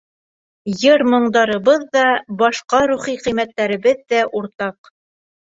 Йыр-моңдарыбыҙ ҙа, башҡа рухи ҡиммәттәребеҙ ҙә уртаҡ.